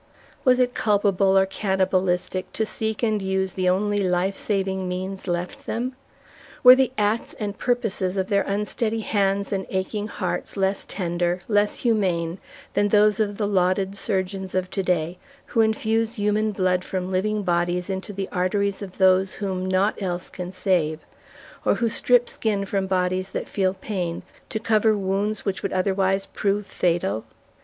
Was it culpable, or cannibalistic to seek and use the only life saving means left them? Were the acts and purposes of their unsteady hands and aching hearts less tender, less humane than those of the lauded surgeons of to day, who infuse human blood from living bodies into the arteries of those whom naught else can save, or who strip skin from bodies that feel pain, to cover wounds which would otherwise prove fatal?